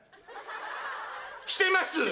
してます！